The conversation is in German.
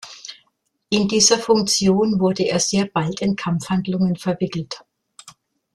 In dieser Funktion wurde er sehr bald in Kampfhandlungen verwickelt.